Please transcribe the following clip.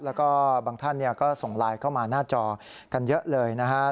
แล้วก็บางท่านก็ส่งไลน์เข้ามาหน้าจอกันเยอะเลยนะฮะ